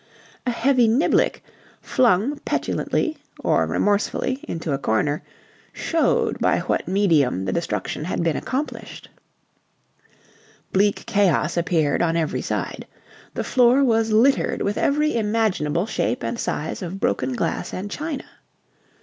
A heavy niblick, flung petulantly or remorsefully into a corner, showed by what medium the destruction had been accomplished. Bleak chaos appeared on every side. The floor was littered with every imaginable shape and size of broken glass and china.